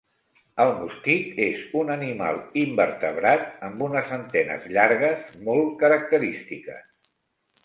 El mosquit és un animal invertebrat amb unes antenes llargues molt característiques.